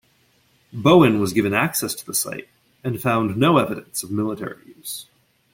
Bowen was given access to the site and found no evidence of military use.